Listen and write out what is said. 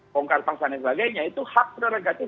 pongkar pangsa dan sebagainya itu hak prerogatif